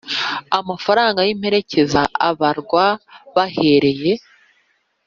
Amafaranga y imperekeza abarwa bahereye